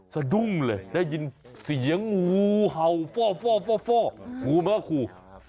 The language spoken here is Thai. สะดุ้งเลยได้ยินเสียงงูเห่าฟ่องูมันก็ขู่